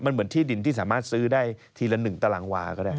มันเหมือนที่ดินที่สามารถซื้อได้ทีละ๑ตารางวาก็ได้